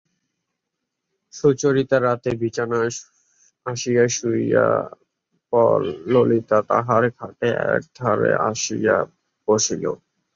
সুচরিতা রাত্রে বিছানায় আসিয়া শুইলে পর ললিতা তাহার খাটের এক ধারে আসিয়া বসিল।